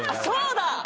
そうだ！